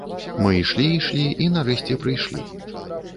Мы ішлі, ішлі і нарэшце прыйшлі.